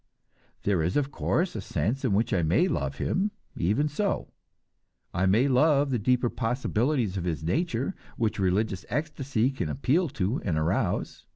There is, of course, a sense in which I may love him, even so; I may love the deeper possibilities of his nature, which religious ecstasy can appeal to and arouse.